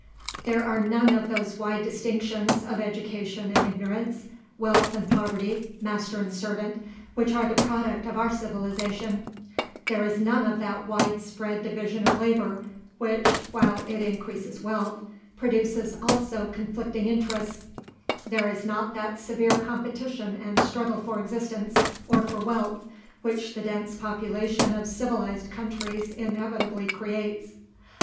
There are cone of those wide distinctions, of education and ignorance, wealth and poverty, master and servant, which are the product of our civilization; there is none of that wide spread division of labour, which, while it increases wealth, products also conflicting interests; there is not that severe competition and struggle for existence, or for wealth, which the dense population of civilized countries inevitably creates.